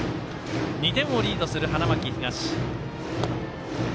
２点をリードする花巻東。